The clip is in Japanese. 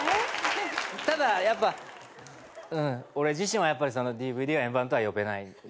ただやっぱ俺自身はＤＶＤは円盤とは呼べない。